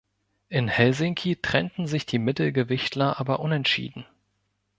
In Helsinki trennten sich die Mittelgewichtler aber unentschieden.